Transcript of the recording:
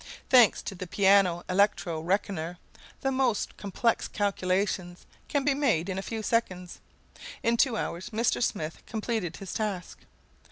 Thanks to the Piano Electro Reckoner, the most complex calculations can be made in a few seconds. In two hours Mr. Smith completed his task.